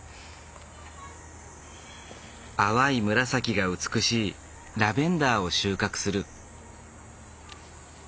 淡い紫が美しいラベンダーを収穫する。